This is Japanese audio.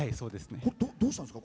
どうしたんですか？